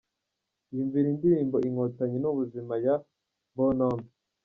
Iyumvire indirimbo Inkotanyi ni Ubuzima ya Bonhomme .